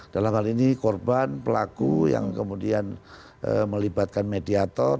dalam hal ini korban pelaku yang kemudian melibatkan mediator